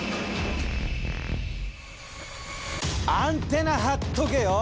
アンテナ張っとけよ。